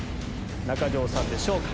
中条さんでしょうか？